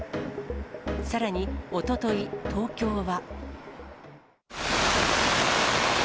さらに、おととい、東京は。